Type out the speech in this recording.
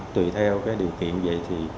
tùy theo cái điều kiện vậy